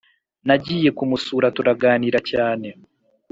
nagiye kumusura turaganira cyane